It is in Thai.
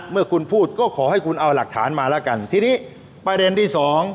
เมื่อคุณพูดก็ขอให้คุณเอาหลักฐานมาแล้วกันทีนี้ประเด็นที่สอง